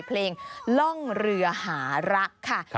เพลงล่องเรือหารักค่ะ